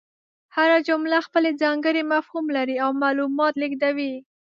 هره جمله خپل ځانګړی مفهوم لري او معلومات لېږدوي.